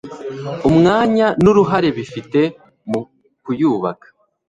umwanya n'uruhare bafite mu kuyubaka